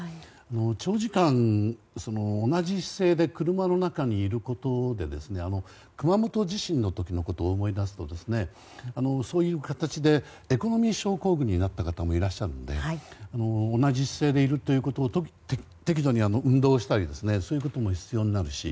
長時間、同じ姿勢で車の中にいることで熊本地震の時のことを思い出すとそういう形でエコノミー症候群になった方もいるので同じ姿勢でいると適度に運動したりそういうことも必要になるし。